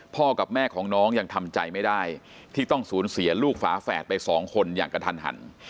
กับแม่ของน้องยังทำใจไม่ได้ที่ต้องสูญเสียลูกฝาแฝดไปสองคนอย่างกระทันหัน